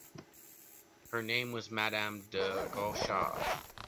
Her name was Madam de Rocrange.